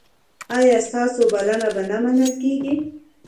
ایا ستاسو بلنه به نه منل کیږي؟